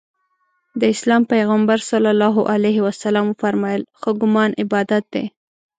د اسلام پیغمبر ص وفرمایل ښه ګمان عبادت دی.